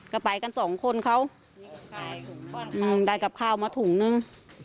ก็ไปกันสองคนเขาได้กับข้าวมาถุงนึง